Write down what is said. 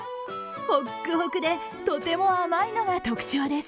ほっくほくで、とても甘いのが特徴です。